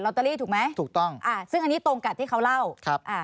เตอรี่ถูกไหมถูกต้องอ่าซึ่งอันนี้ตรงกับที่เขาเล่าครับอ่า